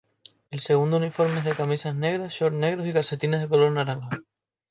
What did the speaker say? El segundo uniforme es de camisas naranja, shorts negros y calcetines de color naranja.